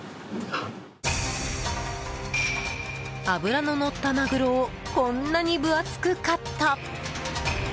脂ののったマグロをこんなに分厚くカット。